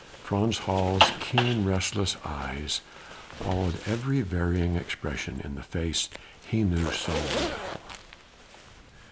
Frans Hals' keen, restless eyes followed every varying expression in the face he knew so well.